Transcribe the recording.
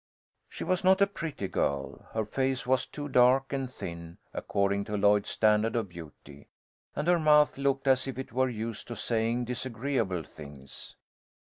She was not a pretty girl. Her face was too dark and thin, according to Lloyd's standard of beauty, and her mouth looked as if it were used to saying disagreeable things.